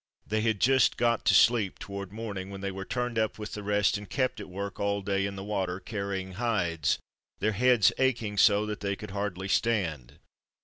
They had just got to sleep toward morning, when they were turned up with the rest, and kept at work all day in the water, carrying hides, their heads aching so that they could hardly stand.